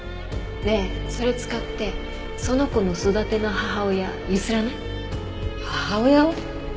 ねえそれ使ってその子の育ての母親強請らない？母親を？